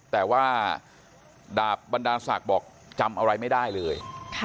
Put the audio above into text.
แต่ว่าดาบบรรดาศักดิ์บอกจำอะไรไม่ได้เลย